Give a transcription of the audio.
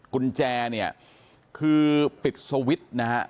กุญแจเนี่ยคือปิดสวิตช์นะฮะ